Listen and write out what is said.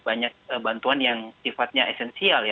banyak bantuan yang sifatnya esensial ya